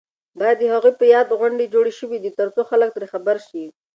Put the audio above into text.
باید د هغوی په یاد غونډې جوړې شي ترڅو خلک ترې خبر شي.